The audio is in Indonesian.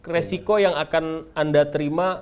resiko yang akan anda terima